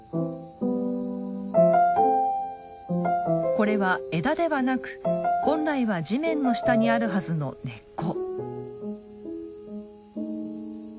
これは枝ではなく本来は地面の下にあるはずの根っこ。